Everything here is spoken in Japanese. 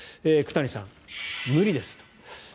久谷さん、無理ですと。